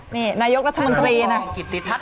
นี่นายกราชมนตรีนะ